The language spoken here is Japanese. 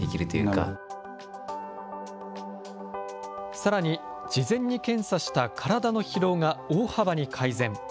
さらに事前に検査した体の疲労が大幅に改善。